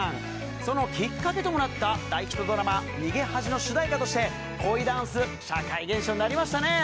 そのきっかけともなった大ヒットドラマ、にげはじのしゅだいあとして恋ダンス、社会現象になりましたね。